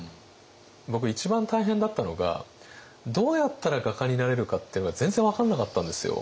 僕一番大変だったのがどうやったら画家になれるかっていうのが全然分からなかったんですよ。